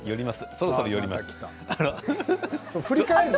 そろそろ寄ります。